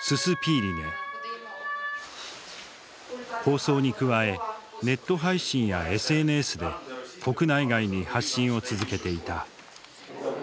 放送に加えネット配信やＳＮＳで国内外に発信を続けていた。